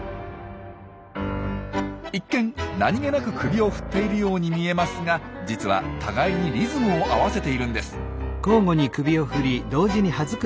一見何気なく首を振っているように見えますが実は互いにリズムを合わせているんです。